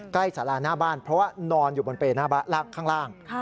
สาราหน้าบ้านเพราะว่านอนอยู่บนเปรย์หน้าบ้านข้างล่าง